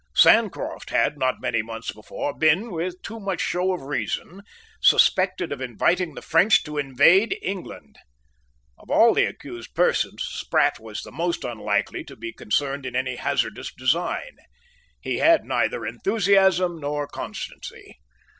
Sancroft had, not many months before, been, with too much show of reason, suspected of inviting the French to invade England. Of all the accused persons Sprat was the most unlikely to be concerned in any hazardous design. He had neither enthusiasm nor constancy.